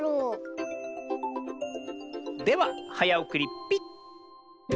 でははやおくりピッ！